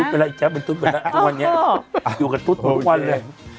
อยู่กับจุ๊บผมทุกวันเลย